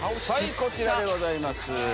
こちらでございます。